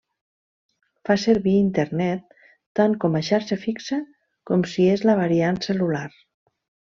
Fa servir internet tant com a xarxa fixa com si és la variant cel·lular.